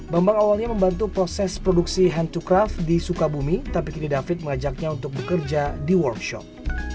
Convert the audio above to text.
bambang awalnya membantu proses produksi hand to craft di sukabumi tapi kini david mengajaknya untuk bekerja di workshop